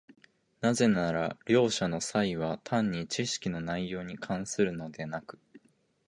なぜなら両者の差異は単に知識の内容に関するのでなく、